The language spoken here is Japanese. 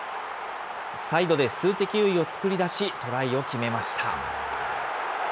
サイドで数的優位を作り出しトライを決めました。